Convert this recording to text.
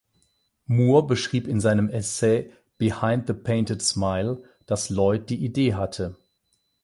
Moore beschrieb in seinem Essay "Behind the painted Smile", dass Lloyd die Idee hatte.